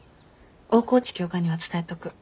大河内教官には伝えとく。